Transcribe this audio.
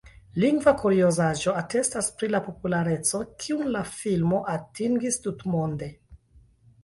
Lingva kuriozaĵo atestas pri la populareco kiun la filmo atingis tutmonde.